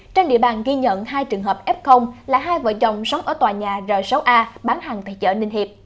trên địa bàn ghi nhận hai trường hợp f là hai vợ chồng sống ở tòa nhà r sáu a bán hàng tại chợ ninh hiệp